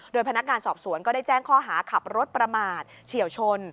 โดยพนักงานสอบสวนก็ได้แจ้งข้อหาขับรถประมาทเฉียวชน